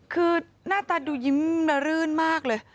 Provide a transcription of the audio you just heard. คือหน้าตาดูยิ้มระรื่นมากเลย